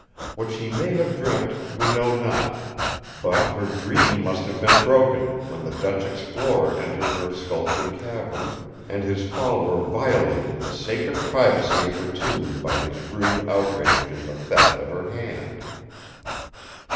What she may have dreamt we know not; but her dream must have been broken when the Dutch explorer entered her sculptured cavern, and his follower violated the sacred privacy of her tomb by his rude outrage in the theft of her hand.